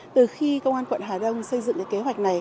từ khi công an quận hà đông xây dựng cái kế hoạch này